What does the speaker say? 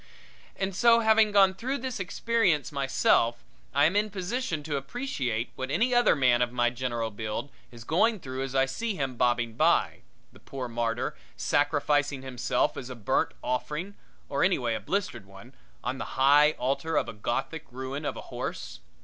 And so, having gone through this experience myself, I am in position to appreciate what any other man of my general build is going through as I see him bobbing by the poor martyr, sacrificing himself as a burnt offering, or anyway a blistered one on the high altar of a Gothic ruin of a horse.